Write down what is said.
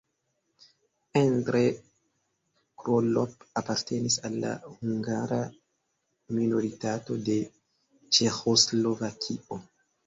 Endre Krolopp apartenis al la hungara minoritato de Ĉeĥoslovakio.